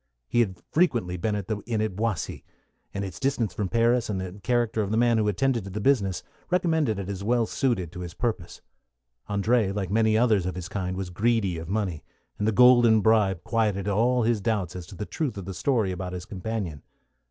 He had frequently been at the inn at Boissy, and its distance from Paris, and the character of the man who attended to the business, recommended it as well suited to his purpose. André, like many others of his kind, was greedy of money, and the golden bribe quieted all his doubts as to the truth of the story about his companion.